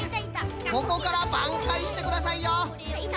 ここからばんかいしてくださいよ。